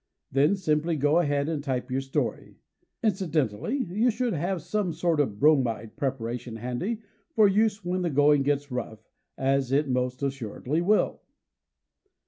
Then simply go ahead and type your story. Incidentally, you should have some sort of a bromide preparation handy, for use when the going gets rough, as it most assuredly will!